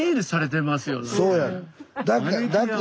そうやねん。